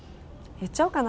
言っちゃおうかな。